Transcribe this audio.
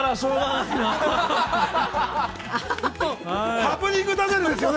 ◆ハプニングダジャレですよね。